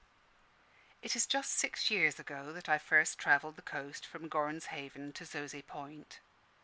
It is just six years ago that I first travelled the coast from Gorrans Haven to Zoze Point.